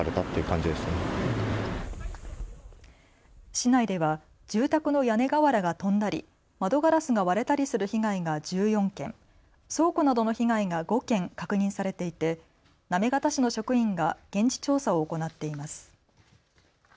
市内では住宅の屋根瓦が飛んだり窓ガラスが割れたりする被害が１４件、倉庫などの被害が５件確認されていて行方市の職員が現地調査を行っています。